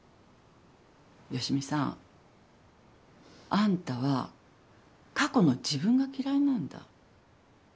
好美さんあんたは過去の自分が嫌いなんだ。